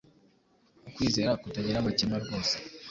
Ukwizera kutagira amakemwa rwose